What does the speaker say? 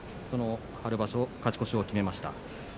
その春場所勝ち越しを決めました。